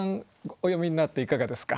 お読みになっていかがですか？